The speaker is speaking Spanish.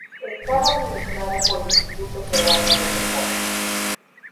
Estaba administrado por Instituto Peruano del Deporte.